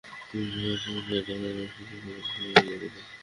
কুমিরাসহ আশপাশের এলাকায় নারী শিক্ষা বলতে প্রাথমিক বিদ্যালয়ের পঞ্চম শ্রেণি পাস।